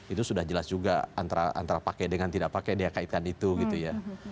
itu sudah jelas juga antara pakai dengan tidak pakai dia kaitkan itu gitu ya